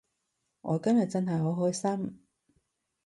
我今日真係好開心